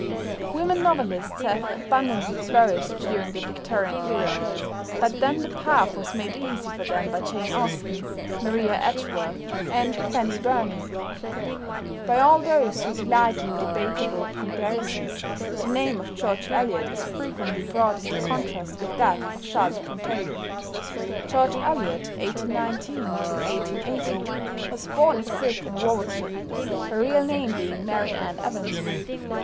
Women novelists have abundantly flourished during the Victorian Era, but then the path was made easy for them by Jane Austen, Maria Edgeworth, and Fanny Burney. By all those who delight in debatable comparisons the name of George Eliot is frequently brought into contrast with that of Charlotte Brontë. =George Eliot (1819 1880)= was born at Griff in Warwickshire, her real name being Mary Ann Evans.